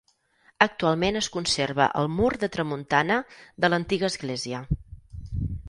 Actualment es conserva el mur de tramuntana de l'antiga església.